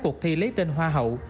cuộc thi lấy tên hoa hậu